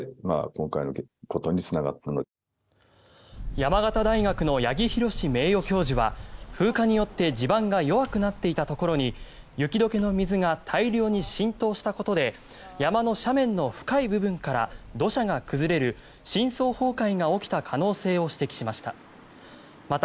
山形大学の八木浩司名誉教授は風化によって地盤が弱くなっていたところに雪解けの水が大量に浸透したことで山の斜面の深い部分から土砂が崩れる深層崩壊が起きた可能性を指摘しました。